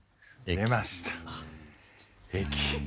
出ました「駅」。